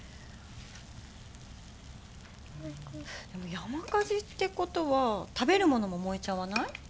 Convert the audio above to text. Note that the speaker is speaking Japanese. でも山火事ってことは食べるものも燃えちゃわない？